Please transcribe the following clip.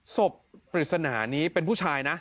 ปริศนานี้เป็นผู้ชายนะ